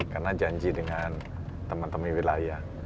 karena janji dengan teman teman wilayah